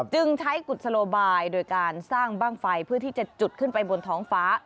จึงใช้กุศโลบายโดยการสร้างบ้างไฟเพื่อที่จะจุดขึ้นไปบนท้องฟ้า